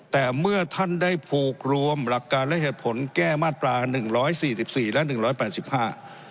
แต่เมื่อท่านได้ผูกรวมหลักการและเหตุผลแก้มาตราหนึ่งร้อยสี่สิบสี่และหนึ่งร้อยแปดสิบห้า